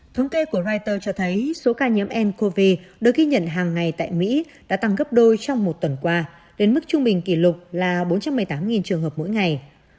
thống kê của reuters cho thấy số ca nhiễm ncov được ghi nhận hàng ngày tại mỹ đã tăng gấp đôi trong một tuần qua đến mức trung bình kỷ lục là bốn trăm một mươi tám trường hợp mỗi ngày